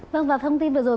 vâng và thông tin vừa rồi